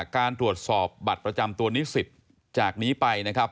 การตรวจสอบบัตรประจำตัวนิสิตจากนี้ไปนะครับ